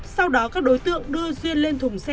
sau đó các đối tượng đưa duyên lên thùng xe